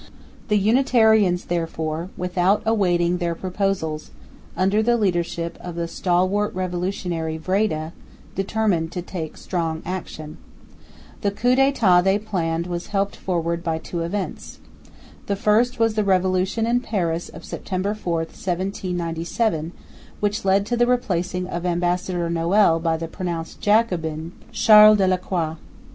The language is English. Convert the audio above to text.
The Unitarians, therefore, without awaiting their proposals, under the leadership of the stalwart revolutionary, Vreede, determined to take strong action. The coup d'état they planned was helped forward by two events. The first was the revolution in Paris of September 4, 1797, which led to the replacing of ambassador Noël by the pronounced Jacobin, Charles Delacroix.